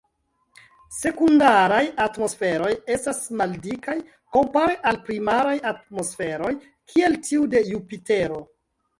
Sekundaraj atmosferoj estas maldikaj kompare al primaraj atmosferoj kiel tiu de Jupitero.